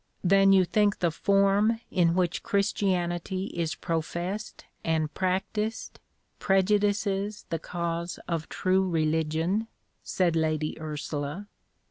"Then you think the form in which Christianity is professed and practised prejudices the cause of true religion?" said Lady Ursula.